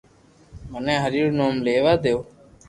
مني ھري رو نوم ليوا دو